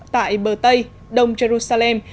tại bờ tây đông jerusalem